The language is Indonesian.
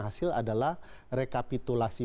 hasil adalah rekapitulasi